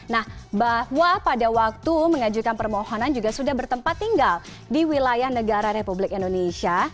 nah bahwa pada waktu mengajukan permohonan juga sudah bertempat tinggal di wilayah negara republik indonesia